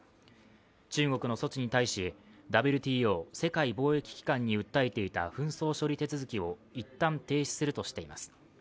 中国の措置に対し、ＷＴＯ＝世界貿易機関に訴えていた紛争処理手続きを一旦停止するとしています。